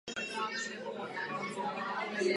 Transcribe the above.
Ne všechny lokomotivy zůstaly v provedení z výroby.